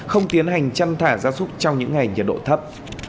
không tiến hành chăn thả ra súc trong những ngày nhiệt độ thấp